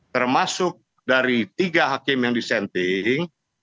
termasuk dari tiga hakim yang disenting